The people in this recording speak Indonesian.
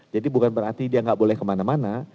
jadi bukan berarti dia gak boleh kemana mana